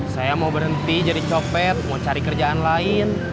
saya mau berhenti jadi copet mau cari kerjaan lain